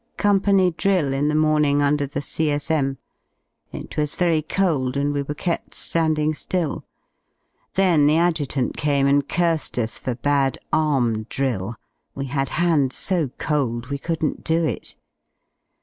Company drill in the morning under the C.S.M, It was very cold and we were kept landing ^ill. Then the Adjutant came and cursed us for bad arm drill; we had hands so cold we couldn't do it.